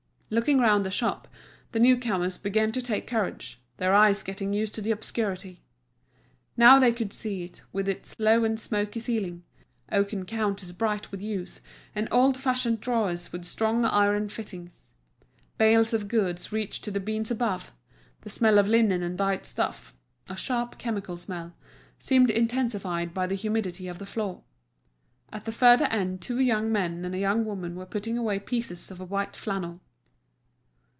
Looking round the shop the new comers began to take courage, their eyes getting used to the obscurity. Now they could see it, with its low and smoky ceiling, oaken counters bright with use, and old fashioned drawers with strong iron fittings. Bales of goods reached to the beams above; the smell of linen and dyed stuffs—a sharp chemical smell—seemed intensified by the humidity of the floor. At the further end two young men and a young woman were putting away pieces of white flannel.